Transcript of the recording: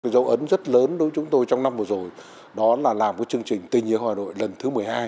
dấu ấn rất lớn đối với chúng tôi trong năm vừa rồi đó là làm cái chương trình tình yêu hà nội lần thứ một mươi hai